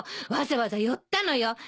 わざわざ寄ったのよ。